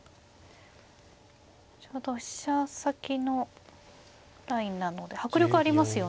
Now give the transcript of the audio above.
ちょうど飛車先のラインなので迫力ありますよね。